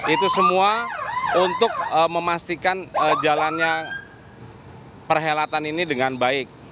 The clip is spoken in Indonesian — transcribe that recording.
itu semua untuk memastikan jalannya perhelatan ini dengan baik